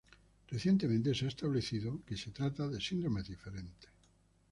Recientemente se ha establecido que se trata de síndromes diferentes.